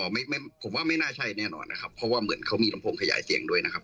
ไม่ไม่ผมว่าไม่น่าใช่แน่นอนนะครับเพราะว่าเหมือนเขามีลำโพงขยายเสียงด้วยนะครับ